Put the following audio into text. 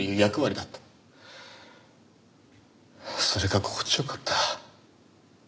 それが心地良かった。